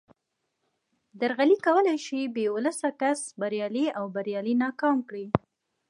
درغلي کولای شي بې ولسه کس بریالی او بریالی ناکام کړي